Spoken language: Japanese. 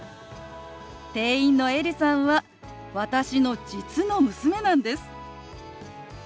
店員のエリさんは私の実の娘なんです。